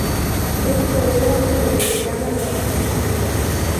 Esto era lo que deseaban los concilios.